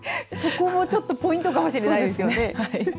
そこもちょっとポイントかもしれないです。